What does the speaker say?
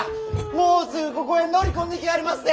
もうすぐここへ乗り込んできはりまっせ！